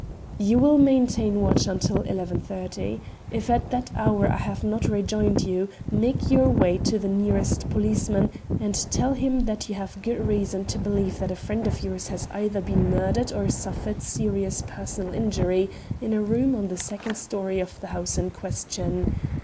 "You will maintain watch until 11.30. If at that hour I have not rejoined you, make your way to the nearest policeman, and tell him that you have good reason to believe that a friend of yours has either been murdered or suffered serious personal injury in a room on the second storey of the house in question.